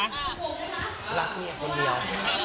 รักเมียคนเดียว